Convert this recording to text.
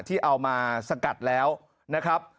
ที่เอามาสกัดแล้วนะครับ